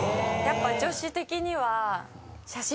女子的には。